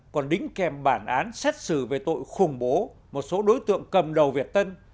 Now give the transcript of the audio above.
còn đính kèm bản án xét xử về tội khủng bố một số đối tượng cầm đầu việt tân